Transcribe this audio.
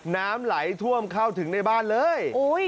น้ำไหลท่วมเข้าถึงในบ้านเลย